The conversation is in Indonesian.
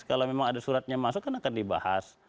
kalau memang ada suratnya masuk kan akan dibahas